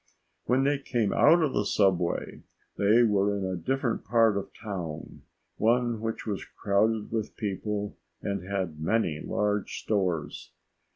When they came out of the subway they were in a different part of town, one which was crowded with people and had many large stores.